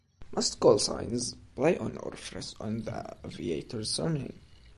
Most call signs play on or reference on the aviator's surname.